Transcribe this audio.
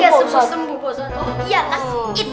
ya sembuh sembuh pak ustadz